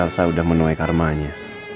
elsa sudah menuai karmanya